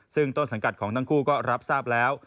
ซึ่งต้นสังกัดของทั้งคู่ก็รับทราบแล้ว